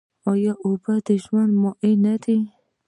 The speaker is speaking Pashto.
آیا اوبه د ژوند مایه نه ده؟